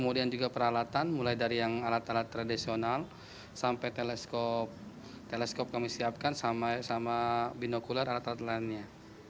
kemudian juga peralatan mulai dari yang alat alat tradisional sampai teleskop kami siapkan sama binokuler alat alat lainnya